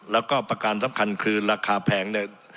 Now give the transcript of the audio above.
แล้วก็ประการสำคัญคือราคาแพงเนี่ย